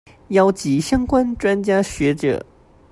邀集相關專家學者